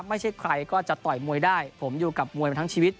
ไม่ใช่ใครก็จะต่อยมวยได้ผมอยู่กับมวยมาทั้งชีวิต